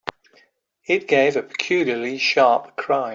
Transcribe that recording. It gave a peculiarly sharp cry.